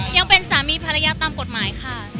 ยังเป็นสามีภรรยาตามกฎหมายค่ะ